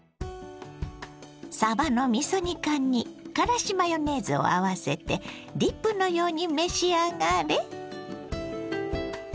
さばのみそ煮缶にからしマヨネーズを合わせてディップのように召し上がれ。